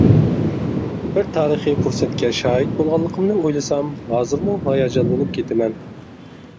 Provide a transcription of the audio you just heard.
بىر تارىخى پۇرسەتكە شاھىت بولغانلىقىمنى ئويلىسام ھازىرمۇ ھاياجانلىنىپ كېتىمەن.